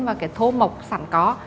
và cái thô mộc sẵn có